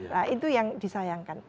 nah itu yang disayangkan